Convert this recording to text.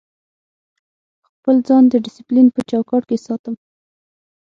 خپل ځان د ډیسپلین په چوکاټ کې ساتم.